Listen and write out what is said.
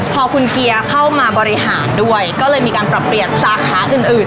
พอคุณเกียร์เข้ามาบริหารด้วยก็เลยมีการปรับเปลี่ยนสาขาอื่นอื่น